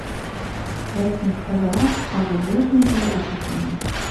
Ләкин Ҡыҙырас тағы бер нәмә лә ишетмәне.